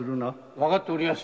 分かっております。